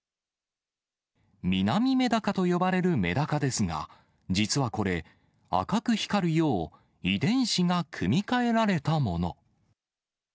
ミナミメダカと呼ばれるメダカですが、実はこれ、赤く光るよう、遺伝子が組み換えられたもの。